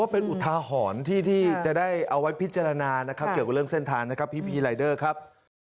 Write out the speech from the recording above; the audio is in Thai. ผมต้องเดินหน้าต่อครับ